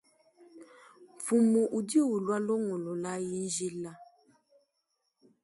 Mfumu udi ulua longololayi njila.